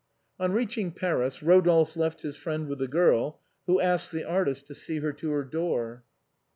On reaching Paris, Rodolphe left his friend with the girl, who asked the artist to see her to her door.